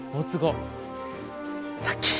ラッキー！